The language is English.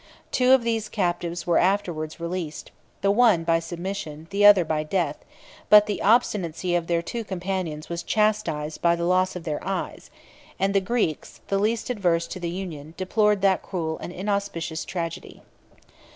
Two of these captives were afterwards released; the one by submission, the other by death: but the obstinacy of their two companions was chastised by the loss of their eyes; and the Greeks, the least adverse to the union, deplored that cruel and inauspicious tragedy.